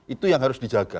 itu yang harus dijaga